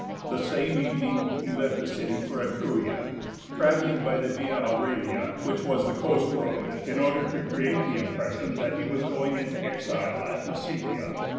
The same evening he left the city for Etruria, travelling by the Via Aurelia, which was the coast road, in order to create the impression that he was going into exile at Massilia.